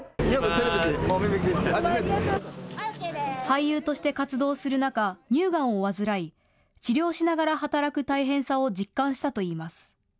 俳優として活動する中、乳がんを患い治療しながら働く大変さを実感したといいます。